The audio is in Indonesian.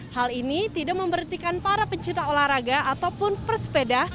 hal ini tidak memberitikan para pencipta olahraga ataupun persepeda